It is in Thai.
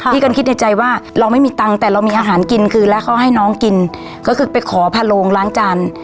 กันคิดในใจว่าเราไม่มีตังค์แต่เรามีอาหารกินคือแล้วเขาให้น้องกินก็คือไปขอพาโรงล้างจาน